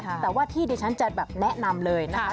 แต่ว่าที่ดิฉันจะแบบแนะนำเลยนะคะ